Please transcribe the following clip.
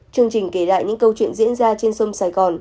chương trình kể lại những câu chuyện diễn ra trên sông sài gòn